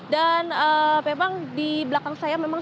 dan memang di belakang saya memang